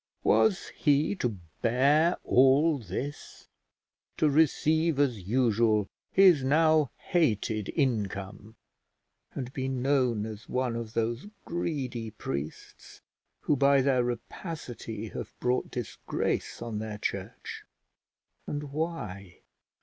Was he to bear all this, to receive as usual his now hated income, and be known as one of those greedy priests who by their rapacity have brought disgrace on their church? And why?